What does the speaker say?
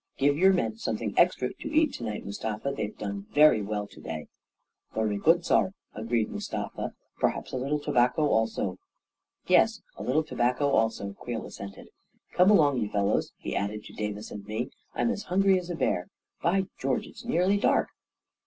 Give your men something extra to eat to night, Mustafa — they've done well to day." "Vurry good, saar," agreed Mustafa. "Per haps a little tobacco, also ?" 1 64 A KING IN BABYLON " Yes — a little tobacco, also," Creel assented. " Come along, you fellows," he added to Davis and me. " I'm as hungry as a bear ! By George, it's nearly dark